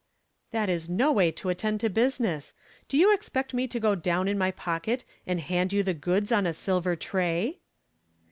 "That is no way to attend to business. Do you expect me to go down in my pocket and hand you the goods on a silver tray?"